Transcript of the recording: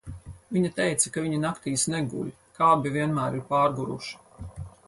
Viņa teica, ka viņi naktīs neguļ, ka abi vienmēr ir pārguruši.